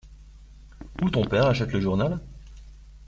Où ton père achète le journal ?